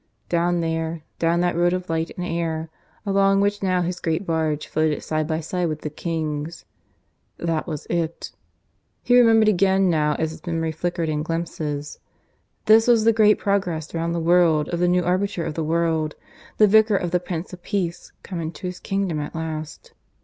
... down there, down that road of light and air, along which now his great barge floated side by side with the King's. That was it. He remembered again now as his memory flickered in glimpses. This was the great Progress round the world of the new Arbiter of the World, the Vicar of the Prince of Peace, come into his Kingdom at last.